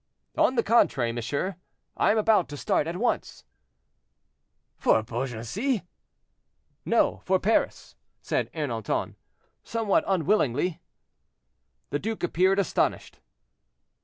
"On the contrary, monsieur, I am about to start at once."—"For Beaugency?" "No, for Paris," said Ernanton; "somewhat unwillingly." The duke appeared astonished.